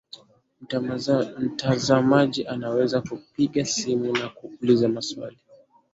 mtazamaji anaweza kupiga simu na kuuliza maswali